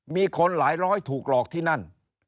มีคนหลายร้อยถูกหลอกที่นั่น